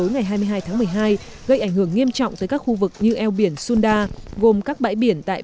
ngày ba mươi tối hai mươi hai một mươi hai gây ảnh hưởng nghiêm trọng tới các khu vực như eo biển sunda gồm các bãi biển tại